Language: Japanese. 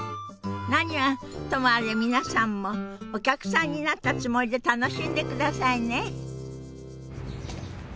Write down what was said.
何はともあれ皆さんもお客さんになったつもりで楽しんでくださいね。